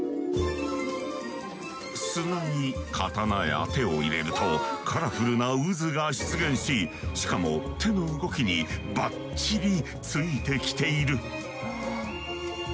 砂に刀や手を入れるとカラフルな渦が出現ししかも手の動きにばっちりついてきている。